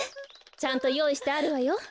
ちゃんとよういしてあるわよ。